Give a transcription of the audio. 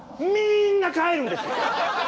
みんな帰るんです！